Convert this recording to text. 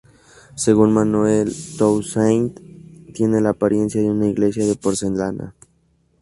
Según Manuel Toussaint, tiene la apariencia de una 'iglesia de porcelana'.